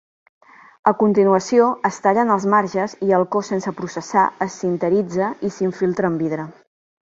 A continuació, es tallen els marges i el cos sense processar es sinteritza i s'infiltra amb vidre.